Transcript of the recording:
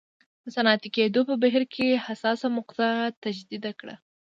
د صنعتي کېدو په بهیر کې حساسه مقطعه تشدید کړه.